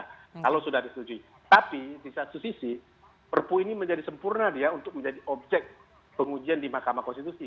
kalau sudah disetujui tapi di satu sisi perpu ini menjadi sempurna dia untuk menjadi objek pengujian di mahkamah konstitusi